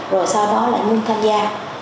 rồi sau đó lại luôn tham gia